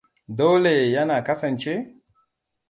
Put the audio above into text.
Dole yana kasance?